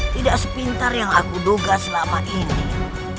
tidak sepintar yang aku duga selama ini